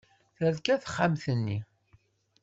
Terka texxamt-nni.